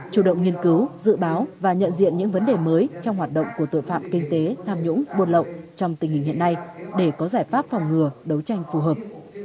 chủ động nghiên cứu dự báo và nhận diện những vấn đề mới trong hoạt động của tội phạm kinh tế tham nhũng buôn lậu trong tình hình hiện nay để có giải pháp phòng ngừa đấu tranh phù hợp